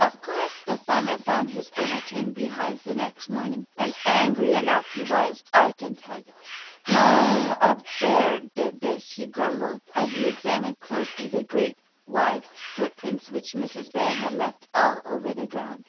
Of course the farmer found his overturned beehives, the next morning, and angry enough he was, I can tell you. "Ugh, a bear did this," he grumbled, as he examined closely the great, wide footprints which Mrs. Bear had left all over the ground.